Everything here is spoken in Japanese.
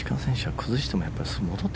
崩しても。